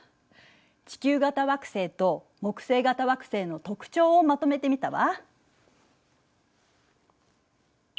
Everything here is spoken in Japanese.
地球型惑星と木星型惑星の特徴をまとめてみたわ。